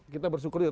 kita bersyukur juga